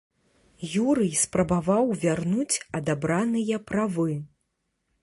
Юрый спрабаваў вярнуць адабраныя правы.